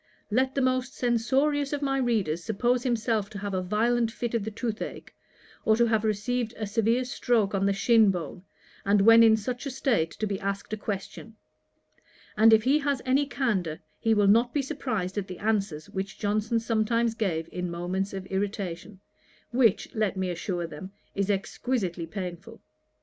Let the most censorious of my readers suppose himself to have a violent fit of the tooth ach, or to have received a severe stroke on the shin bone, and when in such a state to be asked a question; and if he has any candour, he will not be surprized at the answers which Johnson sometimes gave in moments of irritation, which, let me assure them, is exquisitely painful.